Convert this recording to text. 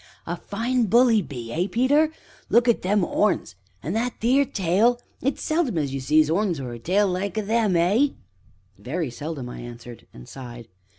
"A fine bull 'e be, eh, Peter? Look at them 'orns, an' that theer tail; it's seldom as you sees 'orns or a tail the like o' them, eh?" "Very seldom!" I answered, and sighed.